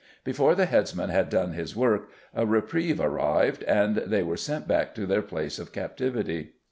Before the headsman had done his work a reprieve arrived, and they were sent back to their place of captivity.